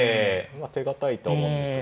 まあ手堅いとは思うんですが。